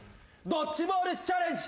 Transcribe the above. ドッジボールチャレンジ。